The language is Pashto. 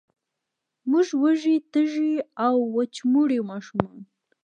موږ وږې، تږې او، وچموري ماشومان